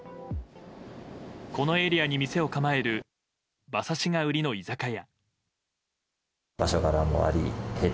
このエリアに店を構える馬刺しが売りの居酒屋。